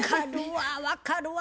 分かるわ。